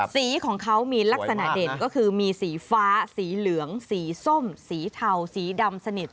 สีของเขามีลักษณะเด่นก็คือมีสีฟ้าสีเหลืองสีส้มสีเทาสีดำสนิท